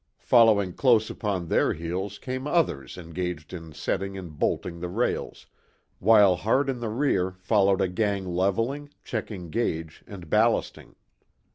Following close upon their heels came others engaged in setting and bolting the rails, while hard in the rear followed a gang leveling, checking gauge, and ballasting.